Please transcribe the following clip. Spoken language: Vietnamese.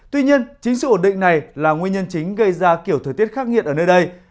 tuy nhiên chính sự ổn định này là nguyên nhân chính gây ra kiểu thời tiết khắc nghiệt ở nơi đây